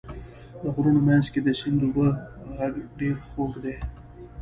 د غرونو منځ کې د سیند اوبو غږ ډېر خوږ دی.